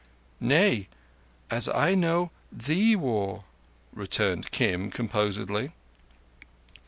"Nay, as I know, the war," returned Kim composedly.